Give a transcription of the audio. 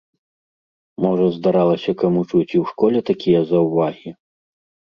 Можа здаралася каму чуць і ў школе такія заўвагі?